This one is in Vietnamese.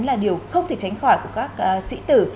là điều không thể tránh khỏi của các sĩ tử